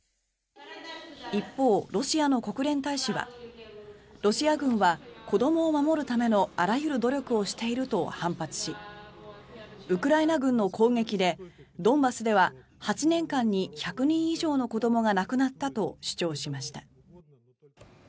一方、ロシアの国連大使はロシア軍は子どもを守るためのあらゆる努力をしていると反発しウクライナ軍の攻撃でドンバスでは８年間に１００人以上の子どもが亡くなったと主張しました。